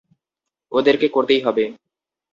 ওদেরকে করতেই হবে।